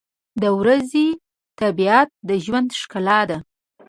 • د ورځې طبیعت د ژوند ښکلا ده.